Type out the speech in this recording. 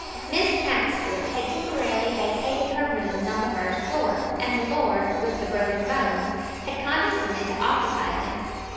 Miss Pouncefoot had temporarily vacated her rooms on the first floor, and the Lord with the broken bones had condescended to occupy them.